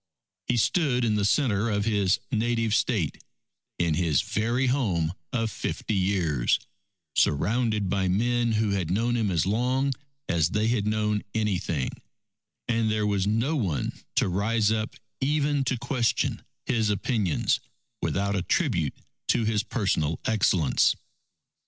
He stood in the centre of his native State, in his very home of fifty years, surrounded by men who had known him as long as they had known anything, and there was no one to rise up even to question his opinions, without a tribute to his personal excellence.